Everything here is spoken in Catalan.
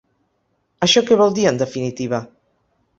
Això què vol dir, en definitiva?